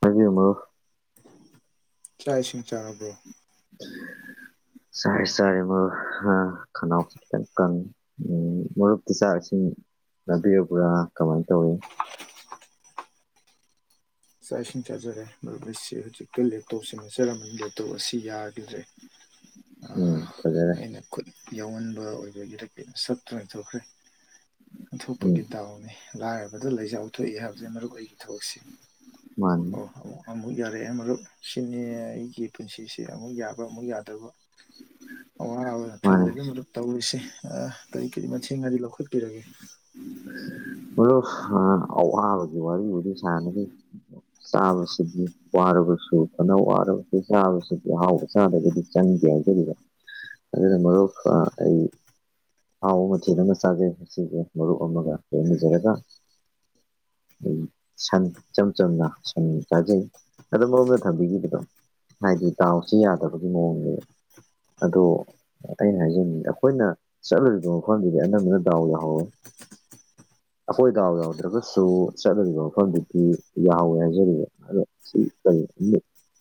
ꯍꯥꯏꯃ ꯆꯥꯛ ꯏꯁꯤꯡ ꯆꯥꯅꯕ꯭ꯔꯣ ꯁꯔ ꯆꯔꯦ ꯃ ꯍꯥ ꯈ ꯑꯣꯁꯤ ꯀ ꯎ ꯃ ꯆꯥꯁꯤ [inaudible] ꯅꯅꯥꯕꯤꯔꯕ꯭ꯔꯥ ꯀꯃꯥꯏꯅ ꯇꯧꯏ ꯆꯥꯛ ꯏꯁꯤꯡ ꯆꯥꯖꯔꯦ ꯃꯔꯨꯞꯁꯤ ꯍꯧꯖꯤꯛꯀꯤ ꯂꯦꯞꯇꯣꯞ ꯁꯤꯅꯆꯔꯝꯃꯅꯤ ꯂꯦꯞꯇꯣꯞ ꯑꯁꯤ ꯌꯥꯈꯤꯗ꯭ꯔꯦ ꯎꯝ ꯐꯖꯔꯦ ꯑꯩꯅ ꯈꯨꯠ ꯌꯥꯎꯍꯟꯕ ꯑꯣꯏꯕ ꯏꯔꯛ ꯁꯠꯇ꯭ꯔꯨꯥꯏꯅ ꯇꯧꯈ꯭ꯔꯦ ꯎꯝ ꯑꯣꯟꯊꯣꯛꯄꯒꯤ ꯗꯥꯎꯅꯤ ꯂꯥꯏꯔꯕꯗ ꯂꯩꯖꯥꯎ ꯎꯠꯊꯣꯛꯏ ꯍꯥꯏꯕꯕꯁꯤ ꯃꯔꯨꯞ ꯑꯩꯒꯤ ꯊꯕꯛꯁꯤ ꯃꯥꯅꯤ ꯑꯣ ꯍ ꯑ ꯑꯃꯨꯛ ꯌꯥꯔꯛꯑꯦ ꯃꯔꯛ ꯁꯤꯅꯤ ꯑꯩꯒꯤ ꯄꯨꯟꯁꯤꯁꯦ ꯑꯃꯨꯛ ꯌꯥꯕ ꯑꯃꯨꯛ ꯌꯥꯗꯕ ꯑꯋꯥꯕ ꯊꯜꯂꯦ ꯃꯥꯅꯤ ꯑꯗꯨꯗꯨ ꯇꯧꯔꯤꯁꯦ ꯀꯔꯤ ꯀꯔꯤ ꯃꯊꯦꯡ ꯍꯥꯏꯔꯤ ꯂꯧꯈꯠ ꯑꯗ ꯑꯋꯥꯕꯒꯤ ꯋꯥꯔꯤ ꯋꯥ ꯁꯥꯟꯅꯔꯤ ꯆꯥꯕꯁꯤꯗꯤ ꯋꯥꯔꯕꯁꯨ ꯐꯅ ꯋꯥꯔꯕꯁꯨ ꯆꯥꯕꯁꯤꯗꯤ ꯑꯍꯥꯎꯕ ꯆꯥꯗꯒꯗꯤ ꯆꯪꯗꯦ ꯑꯗꯨꯅ ꯃꯔ ꯑꯩ ꯑꯍꯥꯎ ꯃꯊꯦꯜ ꯑꯃ ꯆꯥꯖꯩ ꯁꯤꯁꯦ ꯃꯔꯨꯞ ꯑꯃꯒ ꯂꯣꯏꯅꯖꯔꯒ ꯑꯩ ꯁꯟ ꯏꯆꯝ ꯆꯝꯅ ꯁꯟ ꯇꯥꯖꯩ ꯑꯣ ꯃꯔꯣꯝꯗ ꯊꯝꯕꯤꯈꯤꯕꯗꯣ ꯍꯥꯏꯗꯤ ꯇꯥꯎꯁꯤ ꯌꯥꯗꯕꯒꯤ ꯃꯑꯣꯡꯅꯦꯗ ꯑꯗꯣ ꯑꯩꯅ ꯍꯥꯏꯖꯅꯤꯡꯤ ꯑꯩꯈꯣꯏꯅ ꯆꯠꯂꯨꯔꯤꯕ ꯃꯐꯝꯗꯨꯗꯤ ꯑꯅꯝꯕꯅ ꯗꯥꯎ ꯌꯥꯎꯍꯧꯋꯦ [inaudible] ꯑꯩꯈꯣꯏ ꯗꯥꯎ ꯌꯥꯎꯗ꯭ꯔꯒꯁꯨ ꯆꯠꯅꯔꯤꯕ ꯃꯐꯝꯗꯨꯗꯤ ꯌꯥꯎꯋꯦ ꯍꯥꯏꯖꯔꯤꯕ ꯑꯗ ꯁꯤ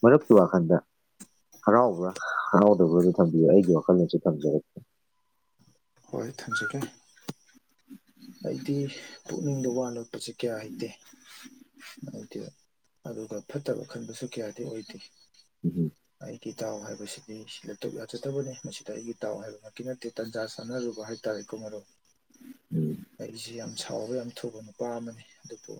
ꯃꯔꯨꯞ ꯊ ꯋꯥ ꯈꯟꯗ ꯍꯔꯥꯎꯕ꯭ꯔꯥ ꯍꯔꯥꯎꯗꯕ꯭ꯔꯥ ꯑꯗꯨ ꯊꯝꯕꯤꯌꯨ ꯑꯩꯒꯤ ꯋꯥꯈꯜꯂꯣꯟꯁꯨ ꯊꯝꯖꯔꯛꯀꯦ ꯍꯣꯏ ꯊꯝꯖꯒꯦ ꯁꯄ ꯆꯀꯤꯦ ꯍꯥꯏꯥꯏꯇꯦ ꯍꯗꯤ ꯑꯗꯨꯒ ꯐꯠꯇꯕ ꯈꯟꯕꯁꯨ ꯀꯌꯥꯗꯤ ꯑꯣꯏꯗꯦ ꯎꯝ ꯀꯤ ꯇꯥꯎ ꯍꯥꯏꯕꯁꯤꯗꯤ ꯁꯤ ꯂꯇꯛ ꯌꯥꯖꯗꯕꯅꯤ ꯃꯁꯤꯗ ꯑꯩꯒꯤ ꯇꯥꯎ ꯍꯥꯏꯕꯃꯛꯛꯀꯤ ꯅꯠꯇꯦ ꯇꯥꯟꯖꯥ ꯆꯥꯟꯅꯔꯨꯕ ꯍꯥꯏꯇꯥꯔꯦ ꯀ ꯃꯔꯣꯛ ꯎꯝ ꯑꯩꯁꯤ ꯌꯥꯝ ꯁꯥꯎꯕ ꯌꯥꯝ ꯊꯨꯕꯅꯤ ꯄꯥꯝꯕꯅꯦ ꯑꯗꯨꯕꯨ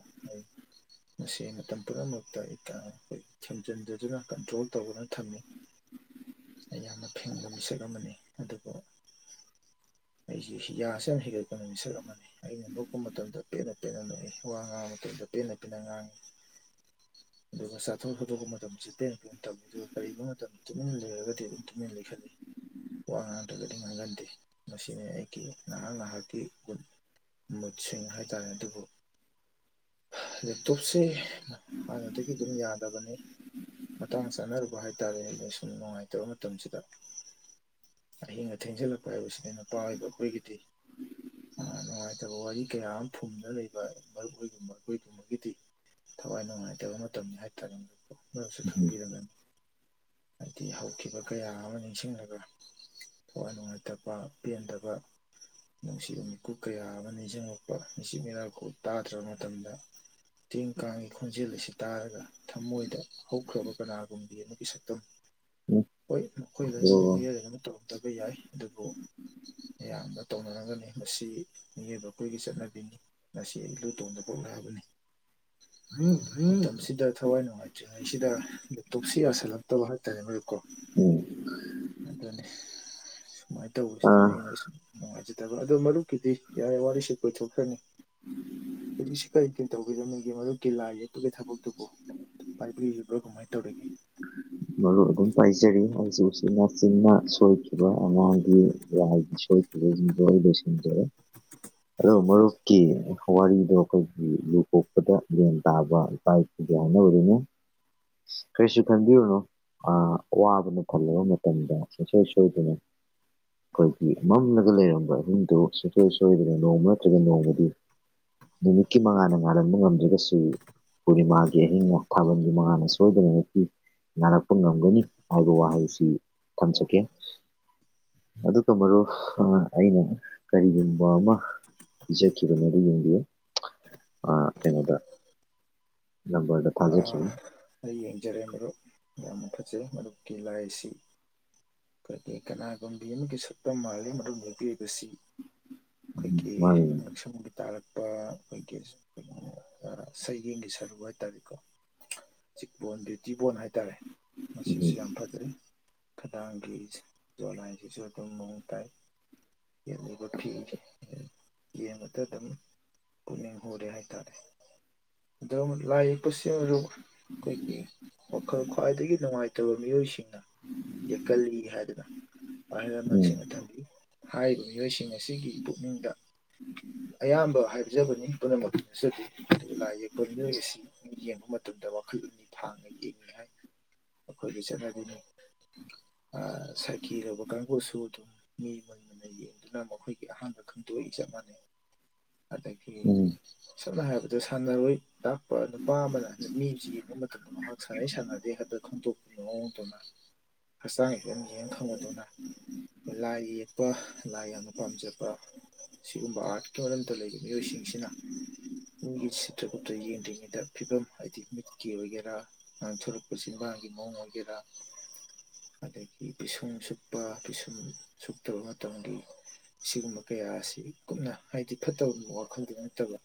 ꯃꯁꯤꯁ ꯃꯇꯝ ꯄꯨꯝꯅꯃꯛꯇ ꯑꯩꯈꯣꯏ ꯊꯦꯝꯖꯤꯟꯖꯗꯨꯅ ꯀꯟꯇ꯭ꯔꯣꯜ ꯇꯧꯗꯨꯅ ꯊꯝꯃꯤ ꯑꯩ ꯌꯥꯝꯅ ꯐꯦꯡꯕ ꯃꯤꯁꯛ ꯑꯃꯅꯤ ꯑꯗꯨꯕꯨ ꯑꯩꯁꯤꯦ ꯌꯥꯁ ꯌꯥꯝ ꯍꯦꯟꯒꯠꯄꯅ ꯃꯤꯁꯛ ꯑꯃꯅꯤ ꯑꯩꯅ ꯅꯣꯛꯄ ꯃꯇꯝꯗ ꯄꯦꯟꯅ ꯋꯥ ꯉꯥꯡ ꯃꯇꯨꯡꯇꯤ ꯅꯠꯇꯤꯅ ꯉꯥꯡꯉꯤ ꯑꯗꯨꯒ ꯆꯥꯊꯣꯛ ꯈꯣꯇꯣꯛꯄ ꯃꯇꯝꯗꯁꯨ ꯄꯦꯟ ꯄꯝ ꯇꯝꯃꯤ ꯑꯗꯨꯒ ꯀꯔꯤꯨꯝ ꯃꯇꯝꯗ ꯇꯨꯃꯤꯦꯟ ꯂꯩꯔꯒꯗꯤ ꯑꯗꯨꯝ ꯇꯨꯃꯤꯦꯟ ꯂꯩ ꯈꯠꯜꯂꯤ ꯋꯥ ꯉꯥꯡꯗ꯭ꯔꯒꯗꯤ ꯉꯥꯡꯒꯟꯗꯦ ꯃꯁꯤꯅꯤ ꯑꯩꯒꯤ ꯅꯍꯥꯛ ꯉꯥꯏꯍꯥꯛꯀꯤ ꯒꯨꯟ ꯃꯨꯁꯤꯡ ꯍꯥꯏꯥꯏ ꯍꯥꯏꯇꯥꯔꯦ ꯑꯗꯨꯕꯨ ꯂꯦꯞꯇꯣꯞꯁꯦ ꯍꯥꯟꯅꯗꯒꯤ ꯑꯗꯨꯝ ꯌꯥ ꯅꯤ ꯃꯇꯥꯡ ꯆꯥꯅꯔꯨꯕ ꯍꯥꯏꯇꯥꯔꯦ ꯂꯣꯏꯁꯨꯝ ꯅꯨꯡꯉꯥꯏꯇꯕ ꯃꯇꯝꯁꯤꯗ ꯑꯍꯤꯡ ꯑ ꯊꯦꯡꯖꯤꯜꯂꯛꯄ ꯍꯥꯏꯕꯁꯤ ꯑꯩꯅ ꯄꯥꯎꯋꯕ ꯑꯩꯈꯣꯏꯒꯤꯗꯤ ꯑ ꯅꯨꯡꯉꯥꯏꯇꯕ ꯋꯥꯔꯤ ꯀꯌꯥꯝ ꯐꯨꯝꯗ ꯂꯩꯕ ꯃꯔꯣꯏꯒꯨꯝꯕ ꯑꯩꯈꯣꯏꯒꯨꯝꯕꯒꯤꯗꯤ ꯊꯋꯥꯏ ꯅꯨꯡꯉꯥꯏꯇꯕ ꯃꯇꯝꯅꯤ ꯍꯥꯏꯇꯥꯔꯦ ꯑꯗꯨꯗꯨ ꯃꯔꯁꯨ ꯎꯝ ꯈꯪꯕꯤꯔꯝꯒꯅꯤ ꯍꯥꯏꯗꯤ ꯍꯧꯈꯤꯕ ꯀꯌꯥ ꯑꯃ ꯅꯤꯡꯁꯤꯡꯂꯒ ꯑꯋꯥ ꯅꯨꯡꯉꯥꯏꯇꯕ ꯄꯦꯟꯗꯕ ꯅꯨꯡꯁꯤꯕ ꯃꯤꯀꯨꯞ ꯀꯌꯥ ꯑꯃ ꯅꯤꯡꯁꯤꯡꯉꯛꯄ ꯁꯤ ꯃꯤꯅꯥꯈ ꯇꯥꯗ꯭ꯔꯕ ꯃꯇꯝꯗ ꯆꯦꯡ ꯀꯥꯡꯒꯤ ꯈꯣꯟꯖꯦꯜ ꯑꯁꯤ ꯇꯥꯔꯒ ꯊꯃꯣꯏꯗ ꯍꯧꯈ꯭ꯔꯕ ꯀꯅꯥꯒꯨꯝꯕꯤ ꯑꯃꯒꯤ ꯁꯛꯇꯝ ꯎꯝ ꯍꯣꯏ ꯃꯈꯣꯏ ꯂꯣꯏꯅꯃꯛ ꯑꯗꯣ ꯃꯤꯑꯣꯏꯗꯅꯃꯛ ꯇꯧꯔꯝꯗꯕ ꯌꯥꯏ ꯑꯗꯨꯕꯨ ꯃꯌꯥꯝꯅ ꯇꯧꯅꯔꯝꯒꯅꯤ ꯃꯁꯤ ꯃꯤꯑꯣꯏꯕ ꯑꯩꯈꯣꯏꯒꯤ ꯆꯠꯅꯕꯤꯅꯤ ꯉꯁꯤ ꯑꯩ ꯂꯨ ꯇꯣꯡꯗ ꯄꯣꯛꯂꯛꯑꯕꯅꯤ ꯎꯝ ꯎꯝ ꯁꯤꯗ ꯊꯋꯥꯏ ꯅꯨꯡꯉꯥꯏꯇ꯭ꯔꯤꯉꯩꯁꯤꯗ ꯂꯦꯞꯇꯣꯛꯁꯤ ꯌꯥꯁꯜꯂꯛꯇꯕ ꯍꯥꯏꯇꯥꯔꯦ ꯃꯣꯏꯀꯣ ꯑꯣ ꯑꯗꯨꯗꯅꯦ ꯁꯨꯃꯥꯏꯅ ꯇꯧꯕꯁꯤꯗꯅ ꯑꯥ ꯑꯩꯅ ꯁꯨꯝ ꯅꯨꯡꯉꯥꯏꯖꯗꯕ ꯑꯗꯣ ꯃꯔꯨꯞꯀꯤꯗꯤ ꯌꯥꯔꯦ ꯋꯥꯔꯤꯁꯨ ꯀꯣꯏꯊꯣꯛ꯭ꯔꯅꯤ ꯍꯧꯖꯤꯛ ꯁꯤ ꯀꯔꯤꯇ ꯇꯧꯕꯤꯔꯝꯃꯤꯦ ꯃꯔꯨꯞꯀꯤ ꯂꯥꯏ ꯌꯦꯛꯄꯒꯤ ꯊꯕꯛꯇꯨꯕꯨ ꯄꯥꯏꯕꯤꯔꯤꯕ꯭ꯔꯣ ꯀꯃꯥꯏꯅ ꯇꯧꯔꯤꯒꯦ ꯃꯔꯨ ꯑꯗꯨꯝ ꯄꯥꯏꯖꯔꯤ ꯍꯧꯖꯤꯛ ꯍꯧꯖꯤꯛ ꯃꯆꯤꯟꯅ ꯁꯣꯏꯈꯤꯕ ꯑꯉꯥꯡꯒꯤ ꯂꯥꯏꯒꯤꯁꯨ ꯗꯁꯟꯖ ꯑꯗꯨꯒ ꯃꯔꯨꯞꯀꯤ ꯋꯥꯔꯤꯗꯣ ꯑꯩꯈꯣꯏꯒꯤ ꯂꯨ ꯀꯣꯛꯄꯗ ꯂꯦꯟ ꯇꯥꯕ ꯏꯄꯥꯨ ꯌꯥꯅ ꯑꯣꯏꯗꯨꯅꯦ ꯀꯩꯁꯨ ꯈꯟꯕꯤꯌꯅꯣ ꯑ ꯋꯥꯕꯅ ꯈꯜꯂꯕ ꯃꯇꯝꯗ ꯁꯣꯏ ꯁꯣꯏꯗꯅ ꯑꯩꯈꯣꯏꯒꯤ ꯃꯝꯂꯒ ꯂꯩꯔꯝꯕ ꯌꯨꯝꯗꯨ ꯁꯨꯡꯁꯣꯏ ꯁꯣꯏꯗꯅ ꯅꯣꯡꯃ ꯅꯠꯇ꯭ꯔꯒ ꯅꯣꯡꯃꯗꯤ ꯅꯨꯃꯤꯠꯀꯤ ꯃꯉꯥꯅ ꯉꯥꯍꯟꯕ ꯉꯝꯗ꯭ꯔꯤꯒ ꯁ꯭ꯔꯤ ꯄꯨꯔꯅꯤꯃꯥꯒꯤ ꯑꯍꯤꯡ ꯅꯣꯡꯊꯥꯕꯜꯒꯤ ꯃꯉꯥꯅ ꯁꯣꯏꯗꯅ ꯅꯨꯄꯤ ꯅꯥꯔꯛꯄ ꯉꯝꯒꯅꯤ ꯍꯥꯏꯕ ꯋꯥꯍꯩꯁꯤ ꯊꯝꯖꯒꯦ ꯑꯗꯨꯒ ꯃꯔꯨ ꯑꯩꯅ ꯀꯔꯤꯒꯨꯝꯕ ꯑꯃ ꯖ ꯀ ꯌꯦꯗꯤ ꯑ ꯀꯩꯅꯗ ꯂꯕꯔꯗ ꯊꯖꯦ ꯁꯤ ꯑꯥ, ꯑꯩ ꯌꯦꯡꯖꯔꯦ ꯃꯔꯨꯞ ꯌꯥꯝꯅ ꯐꯖꯩ ꯃꯔꯨꯞꯀꯤ ꯂꯥꯏ ꯑꯁꯤ ꯐ ꯀꯅꯥꯒꯨꯝꯕꯤ ꯑꯃꯒꯤ ꯁꯛꯇꯝ ꯃꯥꯜꯂꯤꯦ ꯃꯔꯝ ꯅꯨꯄꯤꯕꯁꯤ ꯑꯩꯈꯣꯏꯒꯤ ꯎꯝ ꯃꯥꯅꯤ ꯉꯛꯁꯪꯒꯤ ꯇꯥꯔꯛꯄ ꯑꯩꯈꯣꯏꯒꯤ ꯁꯩꯔꯦꯡꯒꯤ ꯁꯔꯨꯛ ꯍꯥꯏꯇꯥꯔꯦꯀꯣ ꯆꯤꯛꯕꯣꯟ ꯕꯦꯇꯤꯕꯣꯟ ꯍꯥꯏꯇꯥꯔꯦ ꯃꯁꯤꯁꯨ ꯎꯝ ꯌꯥꯝ ꯐꯖꯩ ꯈꯗꯥꯡꯒꯤ ꯖꯣꯠꯂꯥꯏꯁꯤꯁꯨ ꯑꯗꯨꯝ ꯃꯑꯣꯡ ꯇꯥꯏ ꯌꯦꯡꯉꯕ ꯐꯤ ꯌꯦꯡꯉꯒ ꯑꯗꯨꯝ ꯄꯨꯛꯅꯤꯡ ꯍꯨꯔꯦ ꯍꯥꯏꯇꯥꯔꯦ ꯑꯣ ꯂꯥꯏ ꯌꯦꯛꯄꯁꯤꯡ ꯑꯩꯈꯣꯏꯒꯤ ꯋꯥꯈꯜ ꯈ꯭ꯋꯥꯏꯗꯒꯤ ꯅꯨꯡꯉꯥꯏꯇꯕ ꯃꯤꯑꯣꯏꯁꯤꯡ ꯌꯦꯛꯀꯜꯂꯤ ꯍꯥꯏꯗꯨꯅ ꯑꯍꯜ ꯂꯃꯟꯁꯤꯡꯅ ꯎꯝ ꯊꯝꯕꯤ ꯍꯥꯏꯔꯤꯕ ꯃꯤꯑꯣꯏꯁꯤꯡ ꯑꯁꯤꯒꯤ ꯄꯨꯛꯅꯤꯡꯗ ꯑꯌꯥꯝꯕ ꯍꯥꯏꯕ ꯄꯤꯖꯕꯅꯤ ꯄꯨꯝꯅꯃꯛ ꯅꯆꯗꯦ ꯑꯗꯨ ꯂꯥꯏ ꯌꯦꯛꯄ ꯃꯤꯑꯣꯏ ꯑꯁꯤ ꯌꯦꯡꯕ ꯃꯇꯝꯗ ꯋꯥꯈꯜ ꯊꯥꯡꯅ ꯌꯦꯡꯉꯤ ꯍꯥꯏ ꯑꯩꯈꯣꯏꯗ ꯆꯠꯅꯕꯤꯅꯤ ꯁꯥꯏꯊꯤꯔꯕ ꯀꯥꯡꯕꯨꯁꯨ ꯑꯗꯨꯝ ꯃꯤ ꯃꯣꯏꯃꯅ ꯌꯦꯡꯗꯨꯅ ꯃꯈꯣꯏꯒꯤ ꯑꯍꯥꯟꯕ ꯈꯪ ꯏ ꯃꯅꯦ ꯑꯗꯒꯤ ꯎꯝ ꯁꯝꯅ ꯍꯥꯏꯔꯕꯗ ꯁꯥꯟꯅꯔꯣꯏ ꯇꯥꯛꯄ ꯅꯨꯄꯥ ꯑꯃꯅ ꯅꯨꯄꯤꯁꯤꯒꯤ ꯃꯇꯝꯗ ꯃꯍꯥꯛ ꯁꯥꯟꯅꯩ ꯁꯥꯟꯅꯗꯦ ꯈꯛꯇ ꯈꯪꯗꯣꯛꯇꯨꯅ ꯃꯑꯣꯡꯗꯧꯅ ꯍꯛꯆꯥꯡꯒꯤ ꯑꯗꯨꯝ ꯌꯦꯡ ꯈꯪꯕꯗꯨꯅ ꯑꯩꯈꯣꯏ ꯂꯥꯏ ꯌꯦꯛꯄ ꯂꯥꯏ ꯌꯥꯝꯅ ꯄꯥꯝꯖꯕ ꯁꯤꯒꯨꯝꯕ ꯑꯥꯔꯠꯀꯤ ꯃꯔꯝꯗ ꯂꯩꯔꯤꯕ ꯃꯤꯑꯣꯏꯁꯤꯡꯁꯤꯅ ꯏꯒꯤ ꯁꯤꯇ꯭ꯔꯄꯇ ꯌꯦꯡꯗ꯭ꯔꯤꯉꯩꯗ ꯐꯤꯕꯝ ꯍꯥꯏꯗꯤ ꯀꯀꯤ ꯑꯣꯏꯒꯦꯔꯥ ꯉꯥꯡꯊꯣꯔꯛꯄ ꯆꯤꯟꯕꯥꯥꯡꯒꯤ ꯃꯑꯣꯡ ꯑꯣꯏꯒꯦꯔꯥ ꯑꯗꯒꯤ ꯄꯤꯁꯨꯝ ꯁꯛꯄ ꯄꯤꯁꯨꯝ ꯁꯛꯇꯕ ꯃꯇꯝꯒꯤ ꯁꯤꯒꯨꯝꯕ ꯀꯌꯥ ꯑꯁꯤ ꯀꯨꯞꯅ ꯍꯥꯏꯗꯤ ꯐꯠꯇꯕ ꯋꯥꯈꯜꯗ ꯅꯠꯇꯕ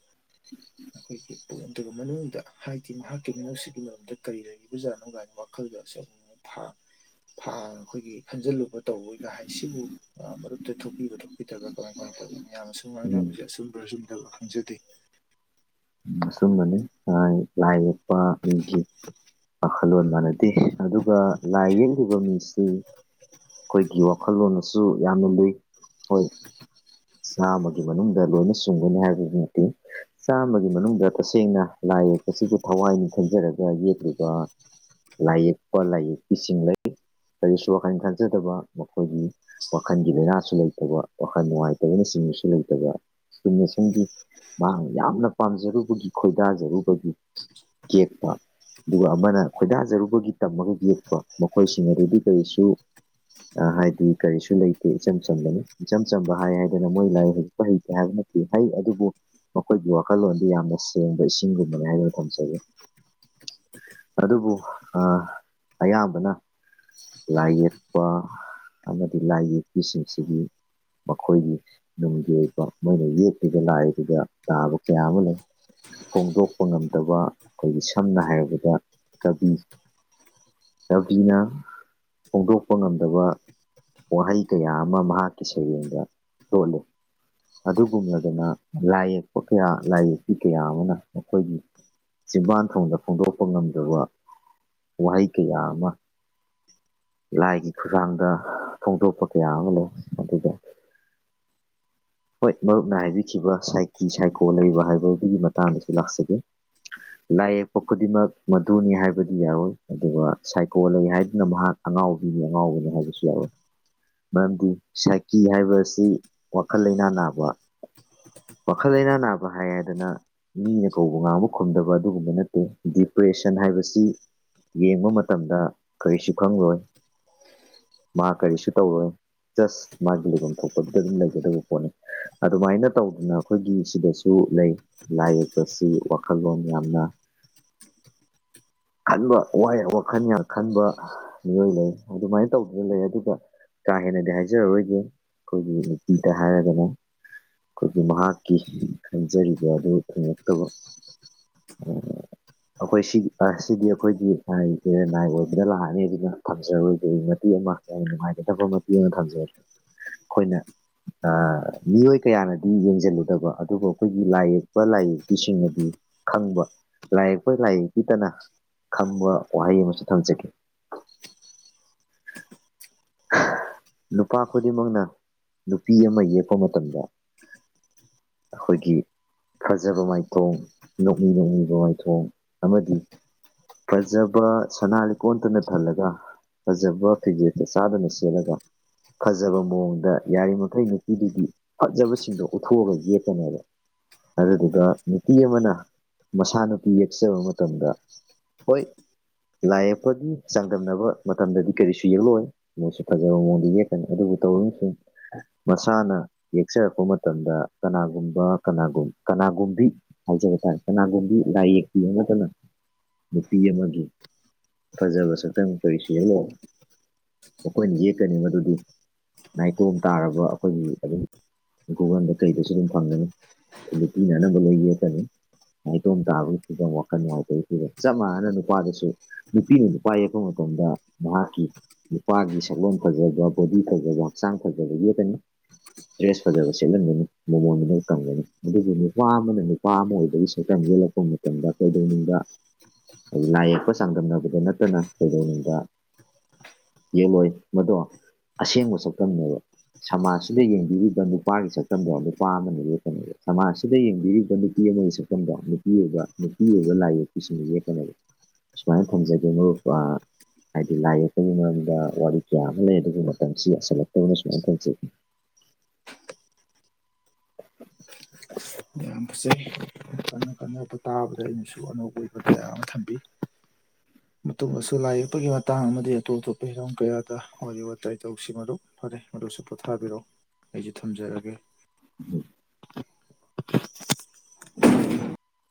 ꯑꯩꯈꯣꯏꯒꯤ ꯄꯣ ꯑꯗꯨꯒꯤ ꯃꯅꯨꯡꯗ ꯍꯥꯏꯗꯤ ꯃꯍꯥꯛ ꯀꯦꯃꯤꯅꯦꯜꯁꯤꯒꯤ ꯃꯔꯝꯗ ꯀꯔꯤ ꯂꯩꯔꯤꯕꯖꯥꯠꯅꯣ ꯀꯥꯏꯅ ꯋꯥꯈꯜꯗꯁꯦ ꯊꯥ ꯑꯩꯈꯣꯏꯒꯤ ꯈꯟꯖꯤꯜꯂꯨꯕ ꯇꯧꯕꯣꯏꯒ ꯍꯥꯏ ꯁꯤꯕꯨ ꯃꯔꯨꯞꯇ ꯊꯣꯛꯄꯤꯕ ꯊꯣꯛꯄꯤꯗ꯭ꯔꯒ ꯀꯃꯥꯏ ꯀ ꯃꯤꯌꯥꯝꯅꯁꯨꯨꯝ ꯎꯝ ꯉꯥꯡꯅꯕꯁꯦ ꯑꯆꯨꯝꯕ ꯑꯁꯨꯝꯗꯕ ꯈꯪꯖꯗꯦ ꯑꯁꯨꯝꯕꯅꯦ ꯂꯥꯏ ꯌꯦꯛꯄ ꯃꯤꯒꯤ ꯑꯂꯣꯟ ꯃꯥꯟꯅꯗꯦ ꯑꯗꯨꯒ ꯂꯥꯏ ꯌꯦꯛꯂꯤꯕ ꯃꯤꯁꯤ ꯑꯩꯈꯣꯏꯒꯤ ꯋꯥꯈꯜꯂꯣꯟꯅꯁꯨ ꯌꯥꯝꯅ ꯂꯨꯏ ꯍꯣꯏ ꯆꯥꯃ ꯃꯅꯨꯡꯗ ꯂꯣꯏꯅ ꯆꯨꯡꯒꯅꯤ ꯍꯥꯏꯕꯗꯨꯃꯠꯇꯦ ꯆꯥꯃ ꯃꯅꯨꯡꯗ ꯇꯁꯦꯡꯅ ꯂꯥꯏ ꯌꯦꯛꯄꯁꯤꯕꯨ ꯊꯋꯥꯏ ꯅꯤꯡ ꯈꯖꯔꯒ ꯌꯦꯛꯂꯤꯕ ꯂꯥꯏ ꯌꯦꯛꯄ ꯂꯥꯏ ꯌꯦꯛꯄꯤꯁꯤꯡ ꯂꯩ ꯀꯔꯤꯁꯨ ꯋꯥꯈꯜ ꯈꯟꯖꯗꯕ ꯃꯈꯣꯏꯒꯤ ꯋꯥꯈꯜꯒꯤ ꯂꯥꯏꯅꯥꯁꯨ ꯂꯩꯇꯕ ꯋꯥꯈꯜ ꯅꯨꯡꯉꯥꯏꯇꯕꯅ ꯆꯤꯡꯕꯁꯨ ꯂꯩꯇꯕ ꯆꯤꯡꯕꯁꯤꯡꯗꯤ ꯃꯍꯥꯛꯅ ꯌꯥꯝꯅ ꯄꯥꯝꯖꯔꯨꯕꯒꯤ ꯈꯣꯏꯗꯥꯖꯔꯨꯕꯒꯤ ꯀꯦꯛꯄ ꯑꯗꯨꯒ ꯑꯃꯅ ꯈꯣꯏꯗꯥꯖꯔꯨꯕꯒꯤ ꯇꯝꯃꯒ ꯌꯦꯛꯄ ꯃꯈꯣꯏꯁꯤꯡ ꯑꯗꯨꯗꯤ ꯀꯔꯤꯁꯨ ꯍꯥꯏꯗꯤ ꯀꯔꯤꯁꯨ ꯂꯩꯇꯦ ꯏꯆꯝ ꯆꯝꯕꯅꯤ ꯏꯆꯝ ꯆꯝꯕ ꯍꯥꯏ ꯍꯥꯏꯗꯅ ꯃꯣꯏ ꯂꯥꯏ ꯍꯩꯄ ꯍꯩꯇꯦ ꯍꯥꯏꯕ ꯍꯩ ꯑꯗꯨꯕꯨ ꯃꯈꯣꯏꯕꯨ ꯋꯥꯈꯜꯂꯣꯟꯗꯤ ꯌꯥꯝꯅ ꯁꯦꯡꯕ ꯏꯁꯤꯡꯒꯨꯝꯕꯅꯤ ꯍꯥꯏꯗꯨꯅ ꯊꯝꯖꯒꯦ ꯑꯗꯨꯕꯨ ꯑꯌꯥꯝꯕꯅ ꯂꯥꯏ ꯌꯦꯛꯄ ꯑꯃꯗꯤ ꯂꯥꯏ ꯌꯦꯛꯄꯤꯁꯤꯡꯁꯤꯒꯤ ꯃꯈꯣꯏꯒꯤ ꯅꯨꯡꯒꯤ ꯑꯣꯏꯕ ꯃꯣꯏꯅ ꯌꯦꯛꯇꯨꯗ ꯂꯥꯏꯗꯨꯗ ꯇꯥꯕ ꯀꯌꯥ ꯑꯃ ꯂꯩ ꯐꯣꯡꯗꯣꯛꯄ ꯉꯝꯗꯕ ꯑꯩꯈꯣꯏꯒꯤ ꯁꯝꯅ ꯍꯥꯏꯔꯕꯗ ꯀꯕꯤ ꯊꯤꯅ ꯐꯣꯡꯗꯣꯛꯄ ꯉꯝꯗꯕ ꯋꯥꯍꯩ ꯀꯌꯥ ꯑꯃ ꯃꯍꯥꯛꯀꯤ ꯁꯩꯔꯦꯡꯗ ꯇꯣꯜꯂꯤ ꯑꯗꯨꯒꯨꯝꯂꯗꯨꯅ ꯂꯥꯏ ꯌꯦꯛꯄ ꯀꯌꯥ ꯂꯥꯏ ꯌꯦꯛꯄꯤ ꯀꯌꯥ ꯑꯃꯅ ꯃꯈꯣꯏꯒꯤ ꯁꯤꯖꯤꯝꯕꯥꯟ ꯊꯣꯡꯗ ꯐꯣꯡꯗꯣꯛꯄ ꯉꯝꯗꯕ ꯋꯥꯍꯩ ꯀꯌꯥ ꯑꯃ ꯂꯥꯏꯒꯤ ꯈꯨꯠꯊꯥꯡꯗ ꯐꯣꯡꯗꯣꯛꯄ ꯀꯌꯥ ꯑꯃ ꯂꯩ ꯑꯗꯨꯒ [unintelligible] ꯍꯣꯏ ꯃꯔꯨꯞꯅ ꯍꯥꯏꯕꯤꯈꯤꯕ ꯁꯥꯏꯀꯤ ꯁꯥꯏꯀꯣ ꯂꯩꯕ ꯍꯥꯏꯕꯗꯨꯒꯤ ꯃꯇꯥꯡꯗꯁꯨ ꯂꯥꯛꯆꯒꯦ ꯂꯥꯏ ꯌꯦꯛꯄ ꯈꯨꯗꯤꯡꯃꯛ ꯃꯗꯨꯅꯤ ꯍꯥꯏꯕꯗꯤ ꯌꯥꯔꯣꯏ ꯑꯗꯨꯒ ꯁꯥꯏꯀꯣ ꯂꯩ ꯍꯥꯏꯗꯨꯅ ꯃꯍꯥꯛ ꯑꯉꯥꯎꯕꯤꯅꯤ ꯑꯉꯥꯎꯕꯅꯤ ꯍꯥꯏꯕꯁꯨ ꯌꯥꯎꯋꯤ ꯃꯔꯝꯗꯤ ꯁꯥꯏꯀꯤ ꯍꯥꯏꯕ ꯑꯁꯤ ꯑꯈꯜ ꯂꯩꯅꯥ ꯅꯥꯕ ꯋꯥꯈꯜ ꯂꯩꯥꯏꯅꯥ ꯅꯥꯕ ꯍꯥꯏꯗꯅ ꯃꯤ ꯑ ꯀꯧꯕ ꯉꯥꯡꯕ ꯈꯨꯝꯗꯕ ꯑꯗꯨꯒꯨꯝꯕ ꯅꯠꯇꯦꯗꯤ ꯄ꯭ꯔꯦꯁꯟ ꯍꯥꯏꯕꯁꯤ ꯌꯦꯡꯕ ꯃꯇꯝꯗ ꯀꯔꯤꯁꯨ ꯈꯪꯂꯣꯏ ꯃꯥ ꯀꯔꯤꯁꯨ ꯇꯧꯔꯣꯏ ꯖꯁ ꯃꯥꯒꯤ ꯂꯩꯐꯝꯐꯝ ꯊꯣꯛꯄꯗ ꯑꯗꯨꯝ ꯂꯩꯒꯗꯕ ꯄꯣꯠꯅꯤ [unintelligible] ꯑꯗꯨꯃꯥꯏꯅ ꯇꯧꯗꯅ ꯑꯩꯈꯣꯏꯒꯤ ꯁꯤꯗꯁꯨ ꯂꯩ ꯂꯥꯏ ꯌꯦꯛꯄꯁꯤ ꯋꯥꯈꯜꯂꯣꯟ ꯌꯥꯝꯅ [unintelligible] ꯈꯟꯕ ꯋꯥꯈꯜ ꯌꯥꯝ ꯈꯟꯕ ꯃꯤꯑꯣꯏ ꯂꯩ ꯑꯗꯨꯃꯥꯏꯅ ꯇꯧꯗꯨꯅ ꯂꯩ ꯑꯗꯨꯒ ꯀꯥ ꯍꯦꯟꯅꯗꯤ ꯍꯥꯏꯖꯔꯔꯣꯏꯒꯦ ꯑꯩꯈꯣꯏꯒꯤ ꯅꯨꯄꯤꯗ ꯍꯥꯏꯔꯒꯅ ꯑꯩꯈꯣꯏꯒꯤ ꯃꯍꯥꯛꯀꯤ ꯈꯟꯖꯔꯤꯕ ꯑꯗꯨ ꯈꯪꯉꯛꯇꯕ [unintelligible] ꯑꯩꯈꯣꯏ ꯁꯤ ꯁꯤꯗꯤ ꯑꯩꯈꯣꯏꯗꯤ ꯂꯥꯏꯁꯦ ꯂꯥꯏ ꯑꯣꯏꯣꯏꯕꯅ ꯂꯥꯛꯑꯅꯤ ꯑꯗꯨꯅ ꯊꯝꯖꯔꯣꯏꯗꯒꯤ ꯃꯇꯦ ꯌꯥꯝ ꯅꯨꯡꯉꯥꯏꯒꯗꯕ ꯃꯄꯤ ꯑꯃ ꯊꯝꯖꯦ ꯑꯩꯈꯣꯏꯅ ꯃꯤꯑꯣꯏ ꯀꯌꯥꯅꯗꯤ ꯌꯦꯡꯁꯤꯜꯂꯨꯗꯕ ꯑꯗꯨꯕꯨ ꯑꯩꯈꯣꯏꯒꯤ ꯂꯥꯏ ꯌꯦꯛꯄ ꯂꯥꯏ ꯌꯦꯛꯄꯤꯁꯤꯡꯅꯗꯤ ꯈꯪꯕ ꯂꯥꯏ ꯌꯦꯛꯄ ꯂꯥꯏ ꯌꯦꯛꯄꯤꯗꯅ ꯈꯪꯕ ꯋꯥꯍꯩ ꯑꯃꯁꯨ ꯊꯝꯖꯒꯦ [unintelligible] ꯅꯨꯄꯥ ꯈꯨꯗꯤꯡꯃꯛꯅ ꯅꯨꯄꯤ ꯑꯃ ꯌꯦꯛꯄ ꯃꯇꯝꯗ ꯑꯩꯈꯣꯏꯒꯤ ꯐꯖꯕ ꯃꯥꯏꯊꯣꯡ ꯅꯣꯡꯡꯂ ꯅꯅꯨꯡꯕ ꯃꯥꯏꯊꯣꯡ ꯑꯃꯗꯤ ꯐꯖꯕ ꯁꯅꯥ ꯂꯩꯀꯣꯟꯇꯅ ꯊꯜꯂꯒ ꯐꯖꯕ ꯐꯤꯖꯦ ꯁꯥꯗꯅꯂꯒ ꯐꯖꯕ ꯃꯑꯣꯡꯗ ꯌꯥꯔꯤꯃꯩ ꯅꯨꯄꯤꯗꯨꯗꯤ ꯐꯖꯕꯁꯤꯡꯗꯣ ꯎꯠꯊꯣꯛꯑꯒ ꯌꯦꯛꯀꯅꯦꯕ ꯑꯗꯨꯗꯨꯒ ꯅꯨꯄꯤ ꯑꯃꯅ ꯃꯁꯥꯅꯨꯄꯤ ꯌꯦꯛꯆꯕ ꯃꯇꯝꯗ ꯍꯣꯏ ꯂꯥꯏ ꯌꯦꯛꯄꯒꯤ ꯆꯥꯡꯗꯝꯅꯕ ꯃꯇꯝꯗꯗꯤ ꯀꯔꯤꯁꯨ ꯌꯦꯡꯂꯛꯂꯣꯏꯑꯣꯏ ꯃꯣꯏꯁꯨ ꯐꯖꯕ ꯃꯑꯣꯡꯗ ꯌꯦꯛꯀꯅꯤ ꯑꯗꯨꯕꯨ ꯇꯧꯝꯁꯤꯡ ꯃꯁꯥꯅ ꯌꯦꯛꯆꯔꯛꯄ ꯃꯇꯝꯗ ꯀꯅꯥꯒꯨꯝꯕ ꯀꯅꯥꯒꯨꯝ ꯀꯅꯥꯒꯨꯝꯕꯤ ꯍꯥꯏꯖꯕ ꯇꯥꯔꯦ ꯀꯅꯥꯒꯨꯝꯕꯤ ꯂꯥꯏ ꯌꯦꯛꯇ ꯅꯠꯇꯅ ꯅꯨꯄꯤ ꯑꯃꯒꯤ ꯐꯖꯕ ꯁꯛꯇꯝ ꯀꯧꯔꯤꯁ ꯌꯦꯂꯣ ꯑꯩꯈꯣꯏꯅ ꯌꯦꯛꯀꯅꯤ ꯃꯗꯨꯗꯤ ꯅꯥꯏꯇꯣꯝ ꯇꯥꯔꯕ ꯑꯩꯈꯣꯏꯒꯤ ꯑꯗꯨꯝ ꯒꯨꯒꯜꯗ ꯀꯩꯗꯁꯨ ꯑꯗꯨꯝ ꯐꯪꯒꯅꯤꯗ ꯄꯤꯅꯅꯕ ꯂꯩꯣꯏ ꯌꯦꯀꯅꯤ ꯅꯥꯥꯏꯇꯣꯝ ꯇꯥꯕꯈꯤꯗ ꯋꯥꯈꯜ ꯅꯨꯡꯥꯏꯇꯩ ꯁꯤꯗ ꯆꯞ ꯃꯥꯟꯅꯅ ꯅꯨꯄꯥꯗꯁꯨ ꯅꯨꯄꯤꯅ ꯅꯨꯄꯥ ꯌꯦꯛꯄ ꯃꯇꯝꯗ ꯃꯍꯥꯛꯀꯤ ꯅꯨꯄꯥꯒꯤ ꯁꯛꯂꯣꯟ ꯐꯖꯕ ꯕꯣꯗꯤ ꯐꯖꯕ ꯍꯛꯆꯥꯡ ꯐꯖꯕꯒꯤ ꯀꯩꯅꯣ ꯗ꯭ꯔꯦꯁ ꯐꯖꯕ ꯁꯦꯠꯍꯟꯒꯅꯤ ꯃꯃꯣꯟ ꯃꯅꯜ ꯀꯪꯒꯅꯤ ꯑꯗꯨꯕꯨ ꯅꯨꯄꯥ ꯑꯃꯅ ꯅꯨꯄꯥ ꯑꯃ ꯑꯣꯏꯕꯒꯤ ꯁꯛꯇꯝ ꯌꯜꯂꯛꯄ ꯃꯇꯝꯗ ꯀꯩꯗꯧꯅꯤꯡꯅꯨꯡꯗ ꯍꯥꯏꯗꯤ ꯂꯥꯏ ꯌꯦꯛꯄ ꯆꯥꯡꯗꯝꯅꯕꯗ ꯅꯠꯇꯅ ꯀꯩꯗꯧꯅꯨꯡꯗ ꯌꯦꯜꯂꯣꯏ ꯃꯗꯣ ꯑꯁꯦꯡꯕ ꯁꯛꯇꯝꯅꯦꯕ ꯁꯃꯥꯖꯁꯤꯗ ꯌꯦꯡꯕꯤꯔꯤꯕ ꯅꯨꯄꯥꯒꯤ ꯁꯛꯇꯝꯗꯣ ꯅꯨꯄꯥ ꯑꯃꯅ ꯂꯦꯞꯀꯅꯦꯕ ꯁꯃꯥꯖꯁꯤꯗ ꯌꯦꯡꯕꯤꯔꯤꯕ ꯅꯨꯄꯤ ꯌꯦꯉꯒꯤ ꯁꯛꯐꯝꯗꯣ ꯅꯨꯄꯤ ꯑꯣꯏꯕ ꯅꯨꯄꯤ ꯑꯣꯏꯕ ꯂꯥꯏ ꯌꯦꯛꯄꯤꯁꯤꯡꯅ ꯌꯦꯛꯀꯅꯦ ꯁꯨꯃꯥꯏꯅ ꯊꯝꯖꯒꯦ ꯃꯔꯨꯞ ꯍꯥꯏꯗꯤ ꯂꯥꯏ ꯌꯦꯛ ꯃꯗ ꯋꯥꯔꯤ ꯀꯌꯥ ꯑꯃ ꯂꯩ ꯑꯗꯨꯒꯤ ꯃꯇꯝꯁꯤ ꯌꯥꯁꯜꯂꯛꯇꯧꯅ ꯁꯨꯃꯥꯏꯅ ꯊꯧꯖꯦ [inaudible] ꯌꯥꯝꯁꯦ ꯀꯟꯅ ꯀꯟꯅ ꯇꯥꯕꯗ ꯑꯩꯅꯁꯨ ꯑꯅꯧꯕ ꯑꯣꯏꯕ ꯀꯌꯥ ꯑꯃ ꯊꯝꯕꯤ ꯃꯇꯨꯡꯗꯁꯨ ꯂꯥꯏ ꯌꯦꯛꯄꯒꯤ ꯃꯇꯥꯡ ꯑꯃꯗꯤ ꯑꯇꯣꯞ ꯑꯇꯣꯞꯄ ꯍꯤꯔꯝ ꯀꯌꯥꯗ ꯋꯥꯔꯤ ꯋꯥꯇꯥꯏ ꯇꯧꯁꯤ ꯃꯔꯨꯞ ꯐꯔꯦ ꯑꯗꯨꯁꯨ ꯄꯣꯊꯥꯕꯤꯔꯛꯑꯣ ꯑꯩꯁꯦ ꯊꯝꯖꯔꯒꯦ ꯎꯝ [inaudible]